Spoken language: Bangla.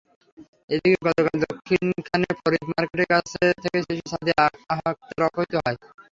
এদিকে গতকাল দক্ষিণখানে ফরিদ মার্কেটের কাছ থেকে শিশু সাদিয়া আক্তার অপহৃত হয়।